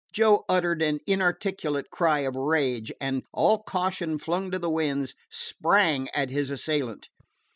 Joe uttered an inarticulate cry of rage, and, all caution flung to the winds, sprang at his assailant.